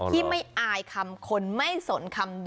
นี่คือเทคนิคการขาย